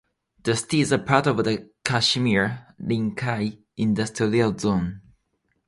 The city is part of the Kashima Rinkai Industrial Zone.